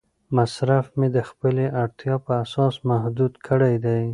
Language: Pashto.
مصرف مې د خپلې اړتیا په اساس محدود کړی دی.